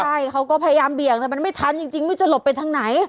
ใช่เขาก็พยายามเบี่ยงแต่มันไม่ทันจริงไม่รู้จะหลบไปทางไหน